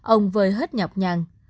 ông vơi hết nhọc nhằn